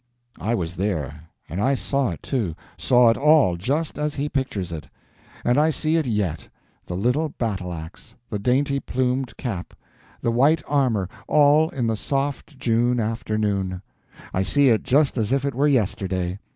I was there, and I saw it, too; saw it all, just as he pictures it. And I see it yet—the little battle ax, the dainty plumed cap, the white armor—all in the soft June afternoon; I see it just as if it were yesterday.